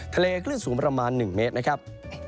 คลื่นสูงประมาณ๑เมตรนะครับ